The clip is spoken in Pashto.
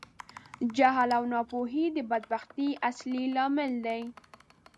جهل او ناپوهۍ د بدبختي اصلی لامل دي.